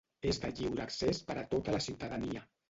És de lliure accés per a tota la ciutadania.